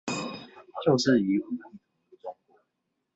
就是以武力統一中國